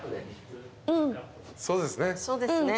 そうですね。